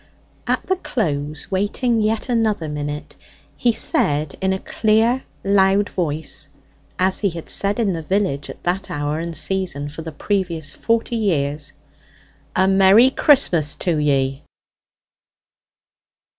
At the close, waiting yet another minute, he said in a clear loud voice, as he had said in the village at that hour and season for the previous forty years "A merry Christmas to ye!"